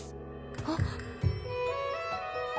あっ。